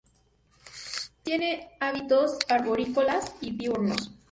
Tiene hábitos arborícolas y diurnos.